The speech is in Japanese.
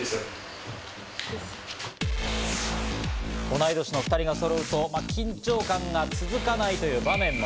同い年の２人がそろうと、緊張感が続かないという場面も。